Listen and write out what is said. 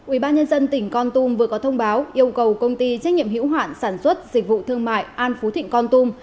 ubnd tỉnh con tum vừa có thông báo yêu cầu công ty trách nhiệm hữu hoạn sản xuất dịch vụ thương mại an phú thịnh con tum